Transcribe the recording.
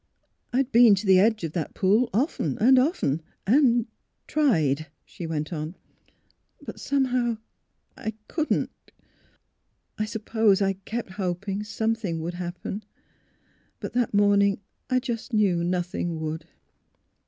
'' I had been to the edge of that pool often and often and — tried," she went on; " but some how I — couldn't. I suppose I kept hoping some thing would happen. But that morning I just knew nothing would.